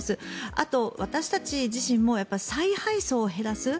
あと、私たち自身も再配送を減らす。